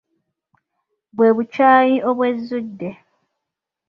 Bwe bukyayi obwezudde.